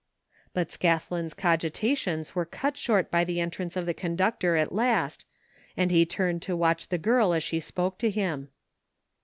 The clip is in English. But Scathlin's cogitations were cut short by the entrance of the conductor at last and he turned to watch the girl as she spoke to him.